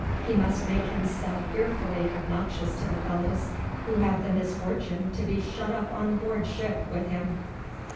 He must make himself fearfully obnoxious to the fellows who have the misfortune to be shut up on board ship with him."